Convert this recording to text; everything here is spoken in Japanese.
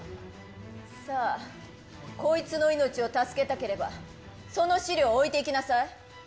さあ、こいつの命を助けたければ、その資料を置いていきなさい。